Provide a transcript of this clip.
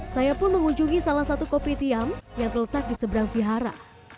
saya pun mengunjungi salah satu kopi tiam yang terletak di seberang vihara